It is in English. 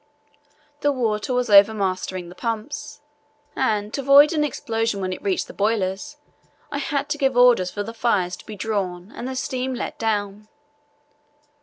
The water was overmastering the pumps, and to avoid an explosion when it reached the boilers I had to give orders for the fires to be drawn and the steam let down.